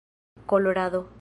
kolorado